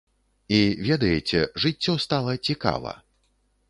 І, ведаеце, жыццё стала цікава.